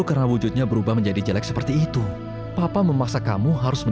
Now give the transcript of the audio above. karena papa sudah berjanji dan joko seger sanggup mengusir